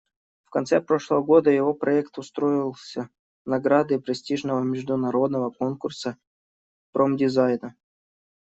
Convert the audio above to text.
В конце прошлого года его проект удостоился награды престижного международного конкурса промдизайна.